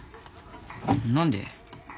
何で？